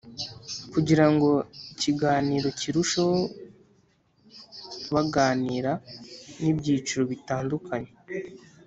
Kugirango ikiganiro kirusheho baganira n’ibyiciro bitandukanye